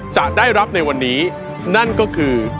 จะได้รับในวันนี้นั่นก็คือ